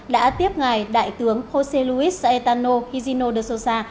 đã tiếp ngài đại tướng josé luis saetano higino de sousa